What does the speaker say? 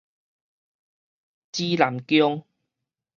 仙公廟